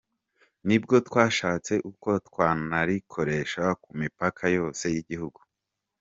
Nibwo twashatse uko twanarikoresha ku mipaka yose y’igihugu.